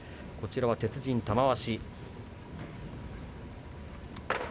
鉄人玉鷲。